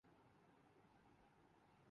میرے دل کو سکون چایئے